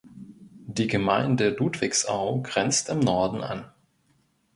Die Gemeinde Ludwigsau grenzt im Norden an.